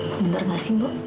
bener gak sih bu